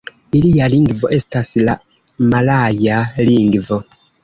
Ilia lingvo estas la malaja lingvo.